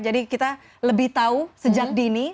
kita lebih tahu sejak dini